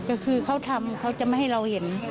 ก็คือเขาทำเขาจะไม่ให้เราเห็น